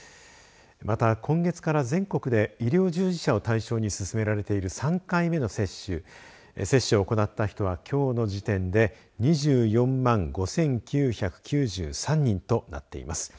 また今月から全国で医療従事者を対象に進められている３回目の接種を行った人はきょうの時点で２４万５９９３人となっています。